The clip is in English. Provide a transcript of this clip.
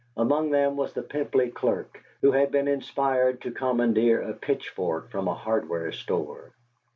Among them was the pimply clerk, who had been inspired to commandeer a pitchfork from a hardware store.